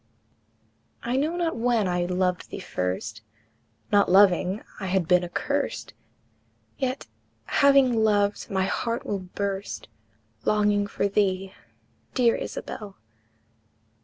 I know not when I loved thee first; Not loving, I had been accurst, Yet, having loved, my heart will burst, Longing for thee, dear Isabel!